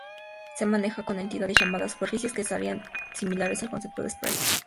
Se maneja con entidades llamadas superficies, que serían similares al concepto de Sprite.